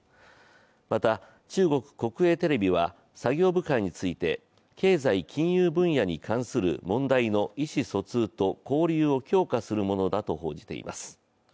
また、中国国営テレビは作業部会について経済・金融分野に関する問題の意思疎通と交流を強化するものだと報じています。